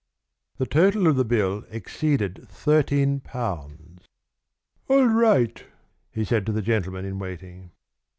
The total of the bill exceeded thirteen pounds. "All right," he said to the gentleman in waiting.